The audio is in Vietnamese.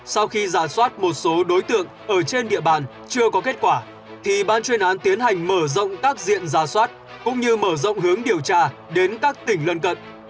sau khi giả soát một số đối tượng ở trên địa bàn chưa có kết quả thì ban chuyên án tiến hành mở rộng các diện giả soát cũng như mở rộng hướng điều tra đến các tỉnh lân cận